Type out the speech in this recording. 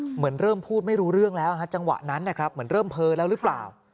เหมือนเริ่มพูดไม่รู้เรื่องแล้วฮะจังหวะนั้นนะครับเหมือนเริ่มเพ้อแล้วหรือเปล่า